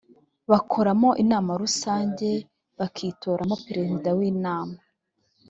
bakora inama rusange bakitoramo perezida w’inama